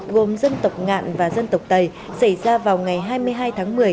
gồm dân tộc ngạn và dân tộc tây xảy ra vào ngày hai mươi hai tháng một mươi